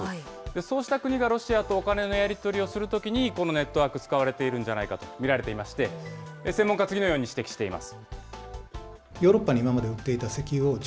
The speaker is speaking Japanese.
そうした国がロシアとお金のやり取りをするときに、ネットワーク、使われているんじゃないかと見られていまして、専門家、次のように指摘しています。